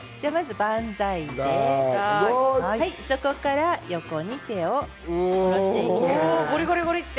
万歳、そこから横に手を下ろしていきます。